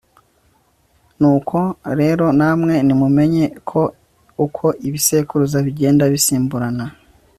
nuko rero namwe, nimumenye ko uko ibisekuruza bigenda bisimburana